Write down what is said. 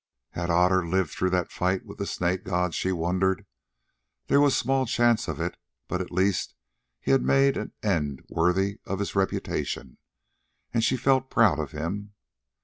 Had Otter lived through the fight with the snake god, she wondered? There was small chance of it, but at least he had made an end worthy of his reputation, and she felt proud of him.